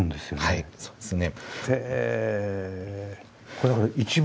はいそうですね。